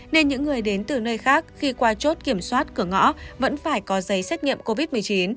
nên những người đến từ nơi khác khi qua chốt kiểm soát cửa ngõ vẫn phải có giấy xét nghiệm covid một mươi chín